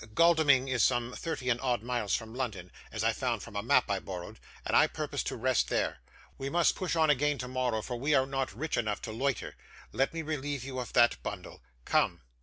Godalming is some thirty and odd miles from London as I found from a map I borrowed and I purpose to rest there. We must push on again tomorrow, for we are not rich enough to loiter. Let me relieve you of that bundle! Come!